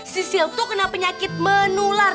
sisil tuh kena penyakit menular